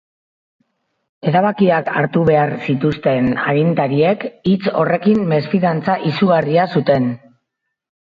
Erabakiak hartu behar zituzten agintariek hitz horrekin mesfidantza izugarria zuten.